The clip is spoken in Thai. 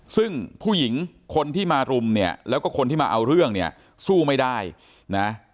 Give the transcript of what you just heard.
ซึ่งผู้หญิงคนที่มารุมเนี่ยแล้วก็คนที่มาเอาเรื่องเนี่ยสู้ไม่ได้นะ